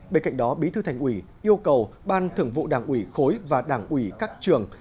bên cạnh đó bí thư thành uỷ yêu cầu ban thường vụ đảng uỷ khối và đảng uỷ các trường